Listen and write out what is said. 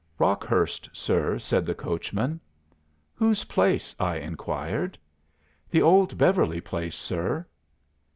'Rockhurst, sir,' said the coachman. 'Whose place?' I inquired. 'The old Beverly place, sir.